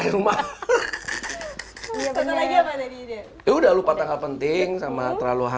soalnya aku ganti password wifi